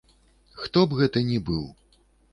Хто б гэта ні быў.